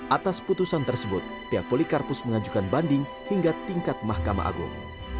atas putusan tersebut pihak polikarpus mengajukan banding hingga tingkat mahkamah agung